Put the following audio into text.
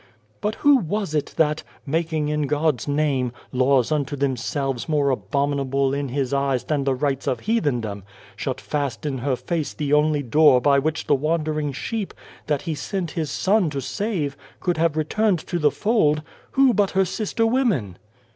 " But who was it that, making in God's name, laws unto themselves more abominable in His eyes than the rites of heathendom, shut fast in her face the only door by which the wandering sheep, that He sent His Son to God and the Ant save, could have returned to the fold who but her sister women